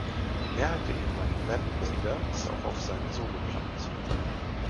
Die Mehrheit der ehemaligen Bandmitglieder ist auch auf seinen Soloplatten zu hören.